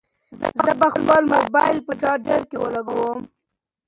زه به خپل موبایل په چارجر کې ولګوم.